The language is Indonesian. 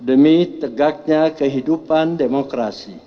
demi tegaknya kehidupan demokrasi